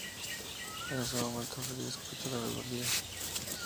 En ese momento Fry escucha la melodía.